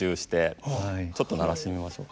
ちょっと鳴らしてみましょう。